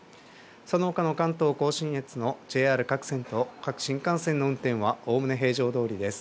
そのほかの関東甲信越のＪＲ各線と各新幹線の運転はおおむね平常どおりです。